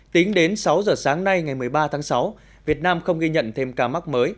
tính đến sáu giờ sáng nay ngày một mươi ba tháng sáu việt nam không ghi nhận thêm ca mắc mới